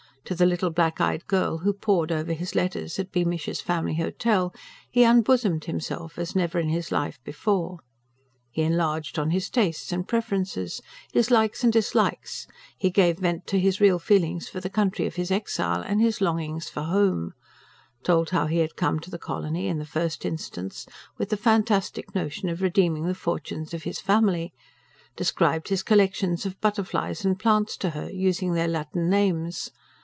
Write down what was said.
To the little black eyed girl who pored over his letters at "Beamish's Family Hotel," he unbosomed himself as never in his life before. He enlarged on his tastes and preferences, his likes and dislikes; he gave vent to his real feelings for the country of his exile, and his longings for "home"; told how he had come to the colony, in the first instance, with the fantastic notion of redeeming the fortunes of his family; described his collections of butterflies and plants to her, using their Latin names.